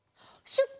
シュッポ！